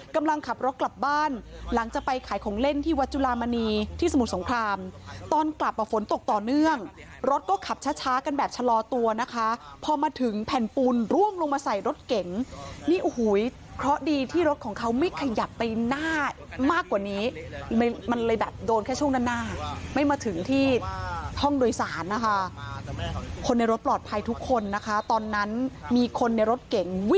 กำลังขับรถกลับบ้านหลังจากไปขายของเล่นที่วัดจุลามณีที่สมุทรสงครามตอนกลับอ่ะฝนตกต่อเนื่องรถก็ขับช้ากันแบบชะลอตัวนะคะพอมาถึงแผ่นปูนร่วงลงมาใส่รถเก๋งนี่โอ้โหเคราะห์ดีที่รถของเขาไม่ขยับไปหน้ามากกว่านี้มันเลยแบบโดนแค่ช่วงด้านหน้าไม่มาถึงที่ห้องโดยสารนะคะคนในรถปลอดภัยทุกคนนะคะตอนนั้นมีคนในรถเก๋ง